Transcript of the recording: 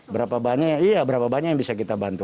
berapa banyak ya iya berapa banyak yang bisa kita bantu